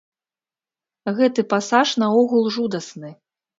Гэты пасаж наогул жудасны.